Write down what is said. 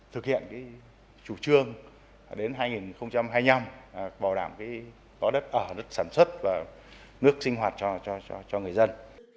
thực hiện chủ trương đến hai nghìn hai mươi năm bảo đảm có đất ở đất sản xuất và nước sinh hoạt cho người dân